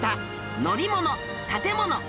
乗り物・建物・家電